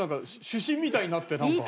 主審みたいになってなんか。